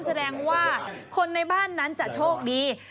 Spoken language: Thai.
แสดงว่าคนในบ้านนั้นจะโชคดี